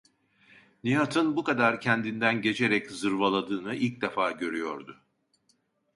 Nihat’ın bu kadar kendinden geçerek zırvaladığını ilk defa görüyordu.